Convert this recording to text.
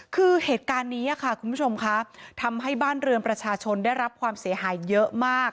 คือเหตุการณ์นี้ค่ะคุณผู้ชมค่ะทำให้บ้านเรือนประชาชนได้รับความเสียหายเยอะมาก